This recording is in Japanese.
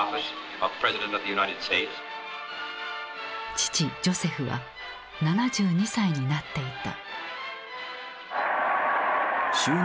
父ジョセフは７２歳になっていた。